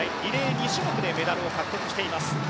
２種目でメダルを獲得しています。